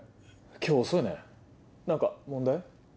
今日遅いね何か問題？